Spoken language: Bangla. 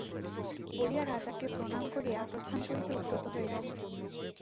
বলিয়া রাজাকে প্রণাম করিয়া প্রস্থান করিতে উদ্যত হইলেন।